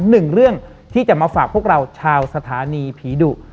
หนึ่งเรื่องที่จะมาฝากพวกเราชาวสถานีผีดุ